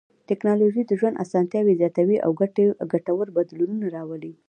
ټکنالوژي د ژوند اسانتیاوې زیاتوي او ګټور بدلونونه راولي.